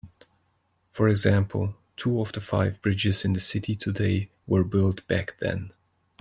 For example, two of the five bridges in the city today were built back then.